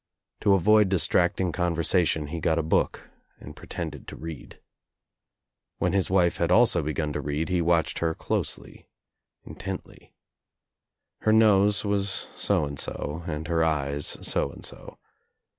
To avoid distracting conversation he got a book and pretended to read. When his wife had also begun to read he watched her closely, intently. Her nose was so and so and her eyes so and so.